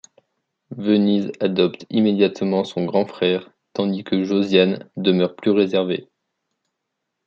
Venise adopte immédiatement son grand frère, tandis que Josiane demeure plus réservée.